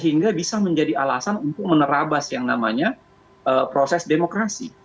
sehingga bisa menjadi alasan untuk menerabas yang namanya proses demokrasi